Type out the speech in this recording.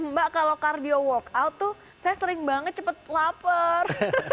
mbak kalau cardio workout tuh saya sering banget cepat lapar